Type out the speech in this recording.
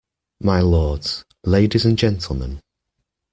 My lords, ladies and gentlemen.